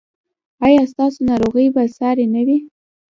ایا ستاسو ناروغي به ساري نه وي؟